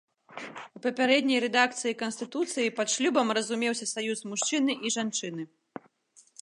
У папярэдняй рэдакцыі канстытуцыі пад шлюбам разумеўся саюз мужчыны і жанчыны.